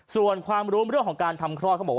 ส่วนความรู้ในเรื่องการทำคลอด